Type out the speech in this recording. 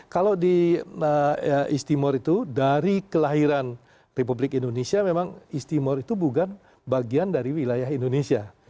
kalau di istimor itu dari kelahiran republik indonesia memang istimor itu bukan bagian dari wilayah indonesia